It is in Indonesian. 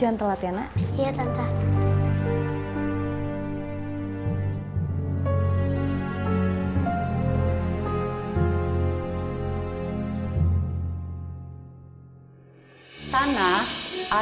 orang mahu keluar dengan sudah parentsance officials merata